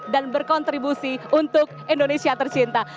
dan berkontribusi untuk indonesia tercinta